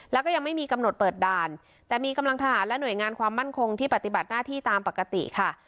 แล้วก็ยังไม่มีกำหนดเปิดด่านแต่มีกำลังทหารและหน่วยงานความมั่นคงที่ปฏิบัติหน้าที่ตามปกติค่ะ